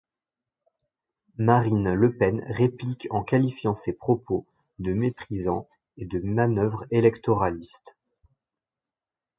Marine Le Pen réplique en qualifiant ces propos de méprisants et de manœuvre électoraliste.